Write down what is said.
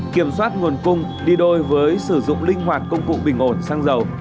kiểm soát nguồn cung đi đôi với sử dụng linh hoạt công cụ bình ổn xăng dầu